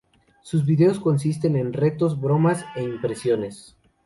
Sus videos consisten en retos, bromas e impresiones.